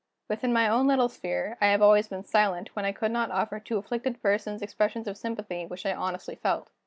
Within my own little sphere, I have always been silent, when I could not offer to afflicted persons expressions of sympathy which I honestly felt.